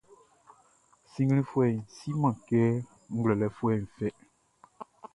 Sinnglinfuɛʼn siman kɛ ngwlɛlɛfuɛʼn fɛ.